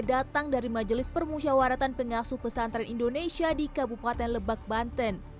datang dari majelis permusyawaratan pengasuh pesantren indonesia di kabupaten lebak banten